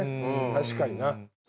確かにな。